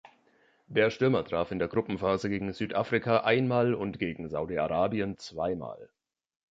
Der Stürmer traf in der Gruppenphase gegen Südafrika einmal und gegen Saudi-Arabien zweimal.